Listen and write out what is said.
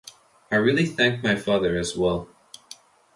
I really thank my father as well.